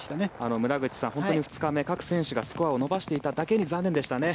村口さん、各選手がスコアを伸ばしていただけに残念でしたね。